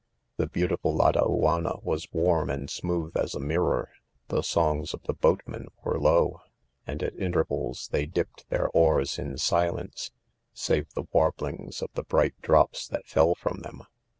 The beautiful Ladaiiannaiwas warm and .smooth' as a mirror ; the songs of "the boatmen ivgi' g low i ead at intervals they dipped thei? hS fli'4t idomew. oars in silence, save the warblings'of the bright drops that fell from them.